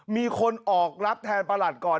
มีคนออกรับแทนประหลัดก่อน